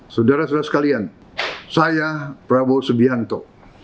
saudara saudara sekalian saya prabowo subianto